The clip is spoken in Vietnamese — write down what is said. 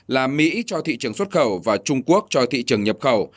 là mỹ cho thị trường xuất khẩu và trung quốc cho thị trường nhập khẩu